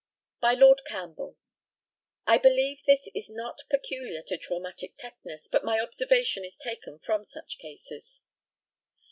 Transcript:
By LORD CAMPBELL: I believe this is not peculiar to traumatic tetanus, but my observation is taken from such cases.